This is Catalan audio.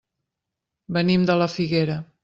Venim de la Figuera.